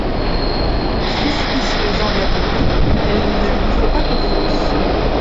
Suspicieuse envers lui, elle ne lui fait pas confiance.